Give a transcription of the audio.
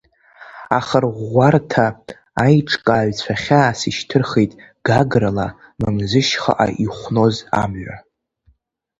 Ахырӷәӷәараҭа аиҿкааҩцәа хьаас ишьҭырхит Гаграла Мамзышьхаҟа ихәноз амҩа.